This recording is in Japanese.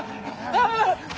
ああ！